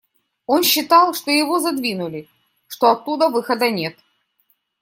Он считал, что его задвинули, что оттуда выхода нет